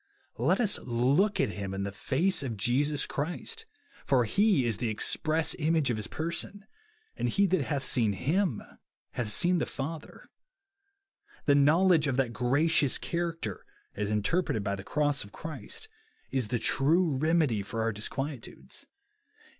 Let us look at him in the face of Jesus Christ ; for He is the express image of his person, and he that hath seen Ilvni hath seen the Father, The knowled«:e of that o'racious character, as interpreted by the cross of Christ, is the true remedy for our disquietudes.